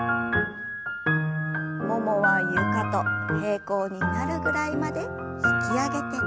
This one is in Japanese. ももは床と平行になるぐらいまで引き上げて。